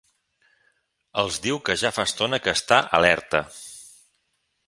Els diu que ja fa estona que està alerta.